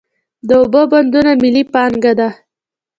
د اوبو بندونه ملي پانګه ده.